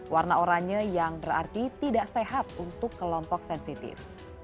warna oranye yang berarti tidak sehat untuk kelompok sensitif